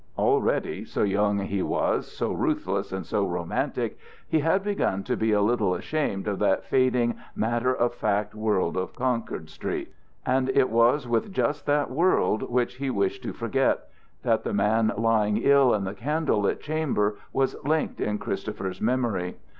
Already, so young he was, so ruthless, and so romantic, he had begun to be a little ashamed of that fading, matter of fact world of Concord Street. And it was with just that world which he wished to forget, that the man lying ill in the candle lit chamber was linked in Christopher's memory.